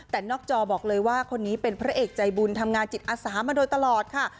แต่นอกจอบอกเลยว่าคนนี้เป็นพระเอกใจบุญทำงานจิตอาสามาโดยตลอดค่ะ